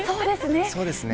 そうですね。